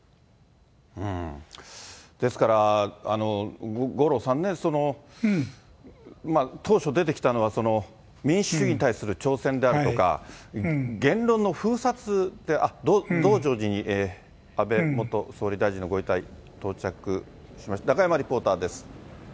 うーん、ですから、五郎さんね、当初、出てきたのは民主主義に対する挑戦であるとか、言論の封殺、あっ、増上寺に安倍元総理大臣のご遺体、到着しました。